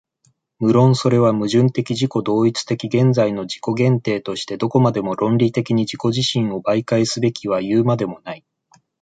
無論それは矛盾的自己同一的現在の自己限定としてどこまでも論理的に自己自身を媒介すべきはいうまでもない。